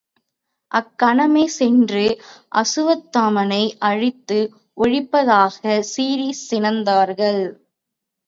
அக்கணமே சென்று அசுவத் தாமனை அழித்து ஒழிப்பதாகச் சீறிச் சினந்தார்கள்.